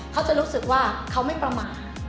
เขาจะรู้สึกว่าเขาไม่ประมาท